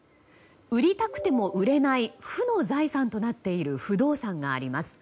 売りたくても売れない負の財産となっている不動産があります。